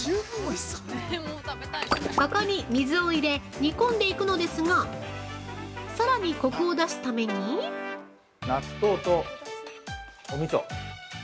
◆ここに水を入れ煮込んでいくのですが、さらに、コクを出すために◆納豆とおみそ。